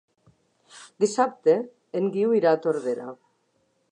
Dissabte en Guiu irà a Tordera.